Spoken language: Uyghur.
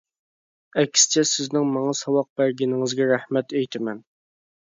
ئەكسىچە سىزنىڭ ماڭا ساۋاق بەرگىنىڭىزگە رەھمەت ئېيتىمەن.